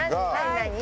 何？